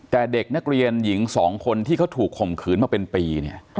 แต่เด็กนักเรียนหญิง๒คนที่เขาถูกข่มขืนมาเป็นปีเนี่ย